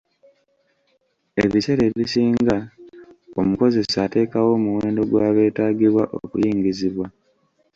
Ebiseera ebisinga, omukozesa ateekawo omuwendo gw'abeetaagibwa okuyingizibwa.